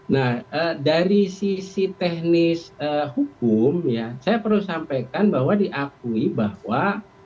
nah dari sisi teknis hukum ya saya perlu sampaikan bahwa diakui bahwa